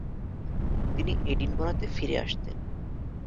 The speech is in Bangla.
তিনি এডিনবরাতে ফিরে আসতেন।